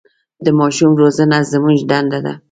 د ماشومان روزنه زموږ دنده ده.